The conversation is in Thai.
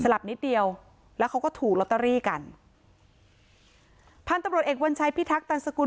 หลับนิดเดียวแล้วเขาก็ถูกลอตเตอรี่กันพันธุ์ตำรวจเอกวัญชัยพิทักษันสกุล